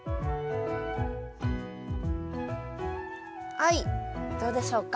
はいどうでしょうか？